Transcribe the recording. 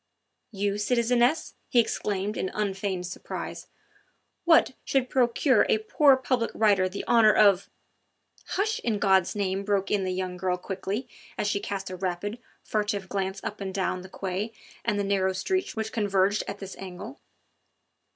"You, citizeness," he exclaimed in unfeigned surprise, "what should procure a poor public writer the honour of " "Hush, in God's name!" broke in the young girl quickly as she cast a rapid, furtive glance up and down the quai and the narrow streets which converged at this angle.